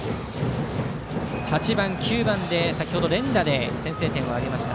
８番、９番の連打で先制点を挙げました。